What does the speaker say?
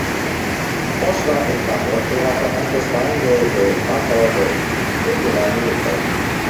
Post la invado, Irako estis rande de stato de civila milito.